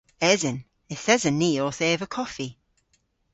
Esen. Yth esen ni owth eva koffi.